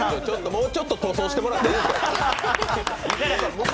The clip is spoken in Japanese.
もうちょっと塗装してもらっていいですか？